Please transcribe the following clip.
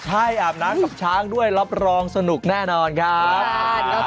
ใช่อาบน้ำกับช้างด้วยรับรองสนุกแน่นอนครับ